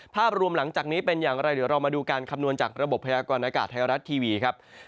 ภาพรวมหลังจากนี้เป็นอย่างไรเดี๋ยวเรามาดูการคำนวณจากระบบพยากรณากาศไทยรัฐทีวีครับ